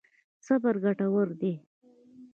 صبر ګټور دی.